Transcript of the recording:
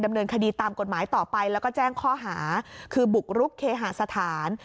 ดำเนินคดีตามกฎหมายต่อไปแล้วก็แจ้งข้อหาคือบุกรุกเคหาสถาน